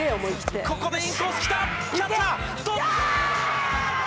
ここでインコース、決まった。